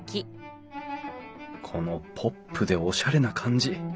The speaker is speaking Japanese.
このポップでおしゃれな感じ